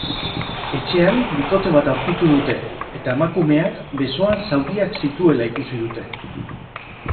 Etxean bikote bat aurkitu dute, eta emakumeak besoan zauriak zituela ikusi dute.